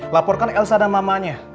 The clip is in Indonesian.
laporkan elsa dan mamanya